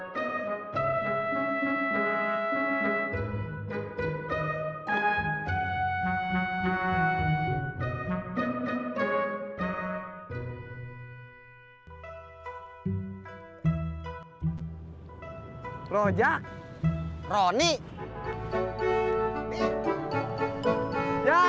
waalaikumsalam masuk ya